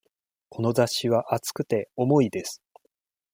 この雑誌は厚くて、重いです。